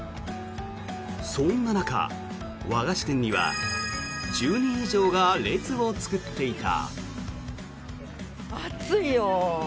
そんな中、和菓子店には１０人以上が列を作っていた。